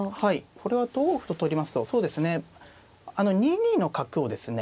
これは同歩と取りますとそうですね２二の角をですね